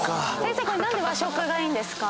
何で和食がいいんですか？